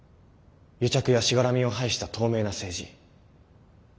癒着やしがらみを排した透明な政治。